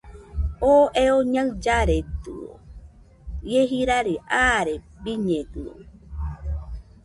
Oo eo ñaɨllaredɨio, ie jira aare biñedɨio